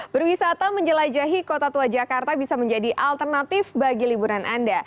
berwisata menjelajahi kota tua jakarta bisa menjadi alternatif bagi liburan anda